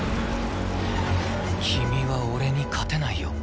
君は俺に勝てないよ。